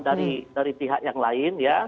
dari pihak yang lain